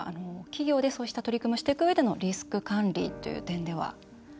企業で、そうした取り組みをしていくうえでのリスク管理という点では。